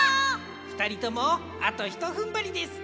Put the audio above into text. ふたりともあとひとふんばりです！